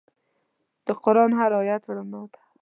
د قرآن هر آیت رڼا ده.